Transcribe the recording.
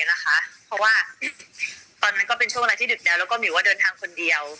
เพราะว่าตอนนั้นก็เป็นช่วงเวลาที่ดึกแล้วแล้วก็หมิวเดินทางคนเดียว